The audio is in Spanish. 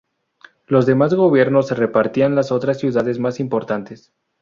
Los demás gobiernos se repartían las otras ciudades más importantes.